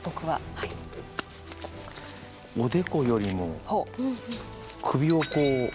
おでこよりも首をこう。